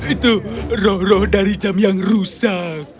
itu roh roh dari jam yang rusak